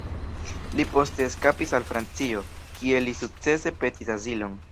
Li poste eskapis al Francio, kie li sukcese petis azilon.